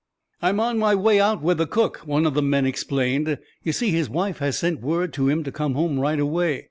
"I'm on my way out with the cook," one of the men explained. "You see his wife has sent word to him to come home right away.